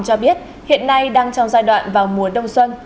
cho biết hiện nay đang trong giai đoạn vào mùa đông xuân